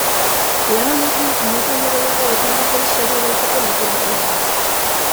Lan honekin inoiz baino gehiago hurbildu zen serie beltzeko literaturara.